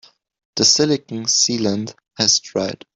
The silicon sealant has dried.